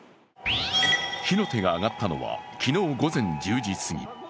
火の手が上がったのは昨日午前１０時過ぎ。